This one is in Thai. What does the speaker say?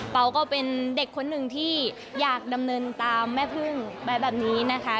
ก็เป็นเด็กคนหนึ่งที่อยากดำเนินตามแม่พึ่งไว้แบบนี้นะคะ